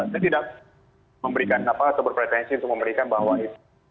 saya tidak memberikan apa atau berpretensi untuk memberikan bahwa itu